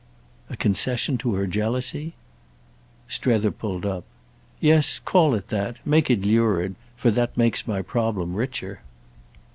"A concession to her jealousy?" Strether pulled up. "Yes—call it that. Make it lurid—for that makes my problem richer."